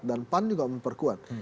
dan pan juga memperkuat